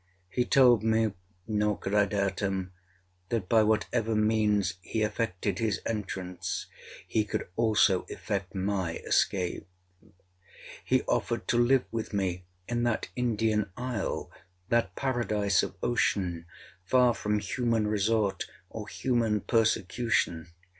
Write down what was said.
He told me, nor could I doubt him, that, by whatever means he effected his entrance, he could also effect my escape. He offered to live with me in that Indian isle—that paradise of ocean, far from human resort or human persecution.